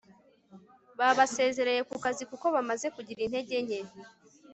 babasezereye kukazi kuko bamaze kugira intege nke